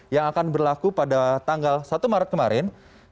yang akan berlaku pada tanggal satu maret kemarin dua ribu dua puluh satu